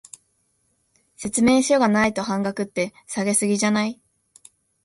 説明書がないと半額って、下げ過ぎじゃない？